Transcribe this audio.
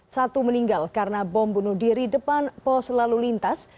satu meninggal karena bom bunuh diri depan pos lalu lintas